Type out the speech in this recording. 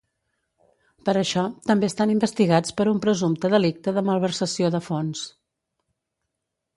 Per això, també estan investigats per un presumpte delicte de malversació de fons.